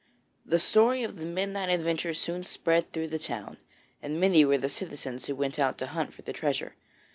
The story of the midnight adventure soon spread through the town, and many were the citizens who went out to hunt for the treasure.